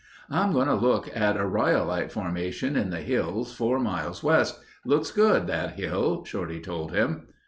"I'm going to look at a rhyolite formation in the hills four miles west. It looks good—that hill," Shorty told him.